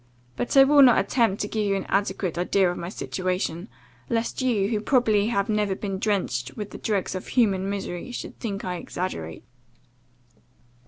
But I will not attempt to give you an adequate idea of my situation, lest you, who probably have never been drenched with the dregs of human misery, should think I exaggerate.